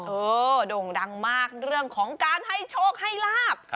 โด่งดังมากเรื่องของการให้โชคให้ลาบ